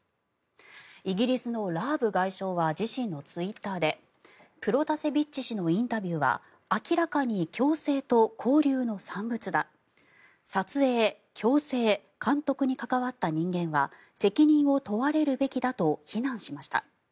イギリスのラーブ外相は自身のツイッターでプロタセビッチ氏のインタビューは明らかに強制と拘留の産物だ撮影、強制監督に関わった人間は責任を問われるべきだと非難しました。